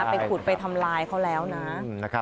ไปขุดไปทำลายเขาแล้วนะ